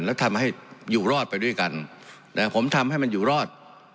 แล้วทำให้อยู่รอดไปด้วยกันนะผมทำให้มันอยู่รอด